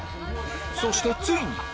そしてついに！